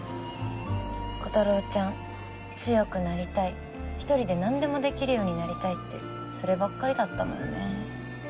コタローちゃん強くなりたい１人でなんでもできるようになりたいってそればっかりだったもんね。